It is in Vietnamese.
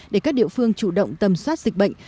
để các địa phương chủ động tầm soát dịch bệnh